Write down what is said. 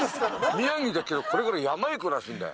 宮城だけど、これから山へ行くらしいんだよ。